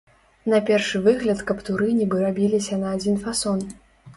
На першы выгляд каптуры нібы рабіліся на адзін фасон.